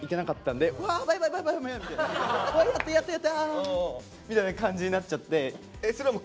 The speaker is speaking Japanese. やったやったあみたいな感じになっちゃって。